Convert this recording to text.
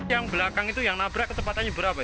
yang belakang itu yang nabrak kecepatannya berapa